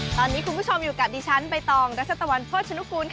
ตอนนี้คุณผู้ชมอยู่กับดิฉันใบตองรัชตะวันโภชนุกูลค่ะ